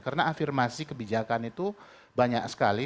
karena afirmasi kebijakan itu banyak sekali